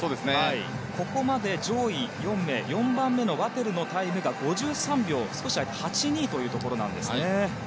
ここまで上位４名４番目のワテルのタイムが５３秒８２というところなんですね。